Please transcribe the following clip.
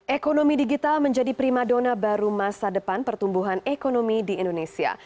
ekonomi digital menjadi prima dona baru masa depan pertumbuhan ekonomi di indonesia